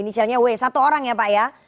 inisialnya w satu orang ya pak ya